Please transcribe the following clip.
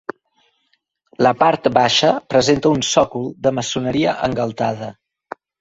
La part baixa presenta un sòcol de maçoneria engaltada.